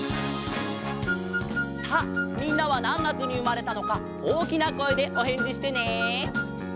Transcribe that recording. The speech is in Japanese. さあみんなはなんがつにうまれたのかおおきなこえでおへんじしてね！